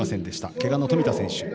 けがの冨田選手も。